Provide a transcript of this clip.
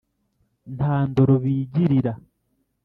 nta ndoro bigirira